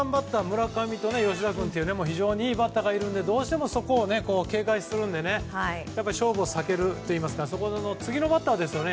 村上と吉田君という非常にいいバッターがいるんでどうしてもそこを警戒するので勝負を避けるといいますか次のバッターですね。